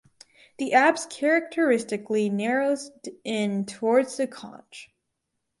The apse characteristically narrows in towards the conch.